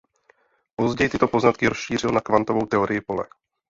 Později tyto poznatky rozšířil na kvantovou teorii pole.